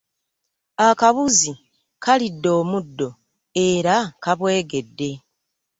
Akabuzi kalidde omuddo era kabwegedde.